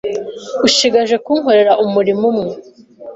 Ushigaje kunkorera umurimo umwe